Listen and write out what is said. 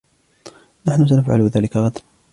نحن سنفعل ذلك غداً.